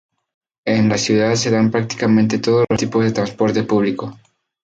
En la ciudad se dan prácticamente todos los tipos de transporte público.